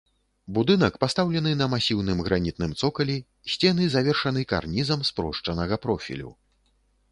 Будынак пастаўлены на масіўным гранітным цокалі, сцены завершаны карнізам спрошчанага профілю.